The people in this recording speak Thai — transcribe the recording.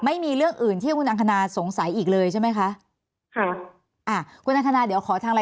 ไม่มีเรื่องอื่นที่คุณอังคณาสงสัยอีกเลยใช่ไหมคะ